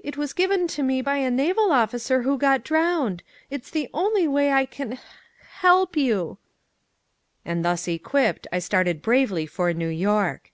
It was given to me by a naval officer who got drowned. It's the only way I can h h help you!" And thus equipped I started bravely for New York.